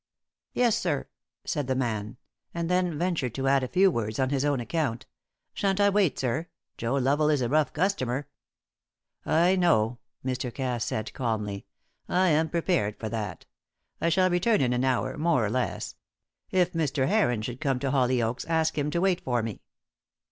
"Yes, sir," said the man, and then ventured to add a few words on his own account. "Shan't I wait, sir? Joe Lovel is a rough customer." "I know," Mr. Cass said, calmly. "I am prepared for that. I shall return in an hour, more or less. If Mr. Heron should come to Hollyoaks, ask him to wait for me."